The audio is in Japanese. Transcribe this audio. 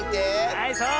はいそう！